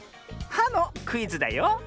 「は」のクイズだよ。